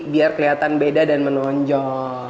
biar kelihatan beda dan menonjol